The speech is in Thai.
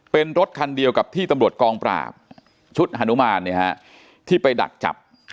เป็นรถคันเดียวกับที่ตำรวจกองปราบชุดฮานุมานที่ไปดักจับ